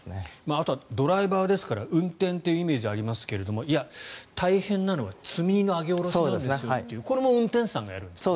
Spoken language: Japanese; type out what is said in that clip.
あとはドライバーですから運転というイメージがありますがいや、大変なのは積み荷の揚げ下ろしなんですよというこれも運転手さんがやるんですね。